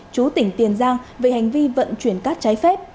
chú tỉnh tiền giang về hành vi vận chuyển cát trái phép